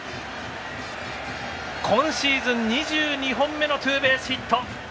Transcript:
今シーズン、２２本目のツーベースヒット。